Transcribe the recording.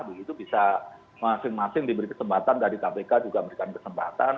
begitu bisa masing masing diberi kesempatan dari kpk juga memberikan kesempatan